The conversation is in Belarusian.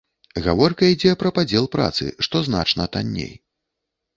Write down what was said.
Гаворка ідзе пра падзел працы, што значна танней.